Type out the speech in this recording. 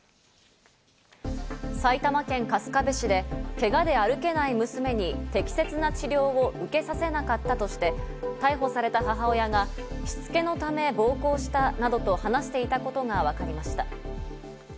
埼玉県春日部市でけがで歩けない娘に適切な治療を受けさせなかったとして、逮捕された母親がしつけのため暴行したなどと話していたことがわかりました。